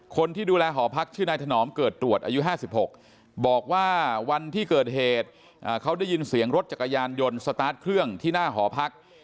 คนที่ดูแลหอพักชื่อนายถนอมเกิดตรวจอายุ๕๖บอกว่าวันที่เกิดเหตุเขาได้ยินเสียงรถจักรยานยนต์สตาร์ทเครื่องที่หน้าหอพัก